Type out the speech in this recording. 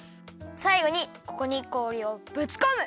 さいごにここに氷をぶちこむ！